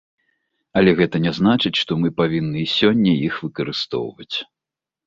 Але гэта не значыць, што мы павінны і сёння іх выкарыстоўваць.